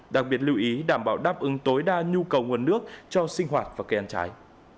đặc biệt lưu ý đảm bảo đáp ứng tối đa nhu cầu nguồn nước cho sinh hoạt và cây ăn trái